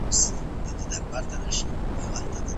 د جګړې پر مهال څه پيښېږي؟